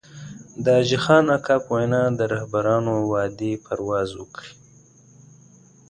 د حاجي خان اکا په وينا د رهبرانو وعدې پرواز وکړي.